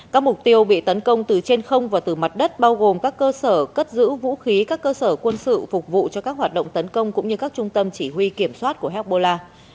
các mục tiêu bị tấn công từ trên không và từ mặt đất bao gồm các cơ sở cất giữ vũ khí các cơ sở quân sự phục vụ cho các hoạt động tấn công cũng như các trung tâm chỉ huy kiểm soát của hezbollah